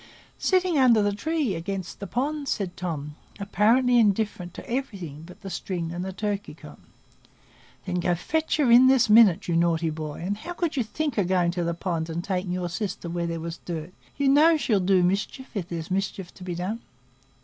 "Sitting under the tree, against the pond," said Tom, apparently indifferent to everything but the string and the turkey cock. "Then go and fetch her in this minute, you naughty boy. And how could you think o' going to the pond, and taking your sister where there was dirt? You know she'll do mischief if there's mischief to be done."